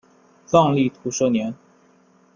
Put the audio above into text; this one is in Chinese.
藏历土蛇年。